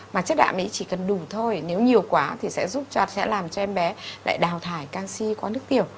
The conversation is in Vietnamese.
mà chất đạm ấy chỉ cần đủ thôi nếu nhiều quá thì sẽ làm cho em bé lại đào thải canxi qua nước tiểu